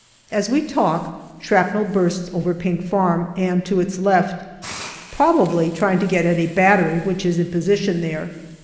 As we talk, shrapnel bursts over Pink Farm and to its left, probably trying to get at a battery which is in position there.